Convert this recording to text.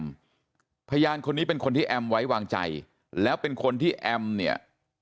พยานคนนี้เป็นคนที่แอมไว้วางใจแล้วเป็นคนที่แอมเนี่ย